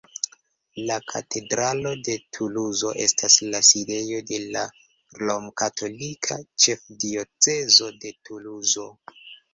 La katedralo de Tuluzo estas la sidejo de la Romkatolika Ĉefdiocezo de Tuluzo.